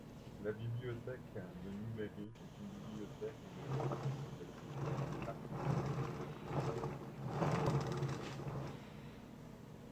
La bibliothèque de Newberry est une bibliothèque de référence, d'accès public et gratuite.